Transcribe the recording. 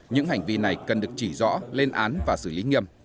những hành vi này cần được chỉ rõ lên án và xử lý nghiêm